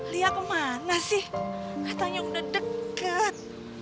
lia kemana sih katanya udah deket